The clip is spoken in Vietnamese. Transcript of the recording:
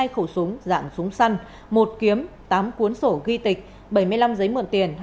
hai khẩu súng dạng súng săn một kiếm tám cuốn sổ ghi tịch bảy mươi năm giấy mượn tiền